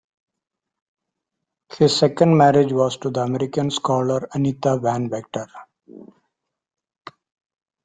His second marriage was to the American scholar Anita Van Vactor.